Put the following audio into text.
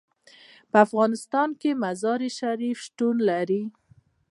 په افغانستان کې مزارشریف شتون لري.